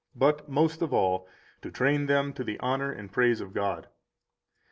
but, most of all, to train them to the honor and praise of God.